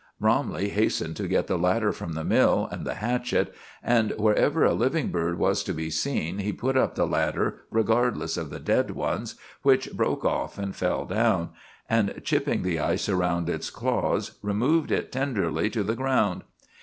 Bromley hastened to get the ladder from the mill, and the hatchet, and wherever a living bird was to be seen he put up the ladder regardless of the dead ones, which broke off and fell down, and chipping the ice about its claws, removed it tenderly to the ground.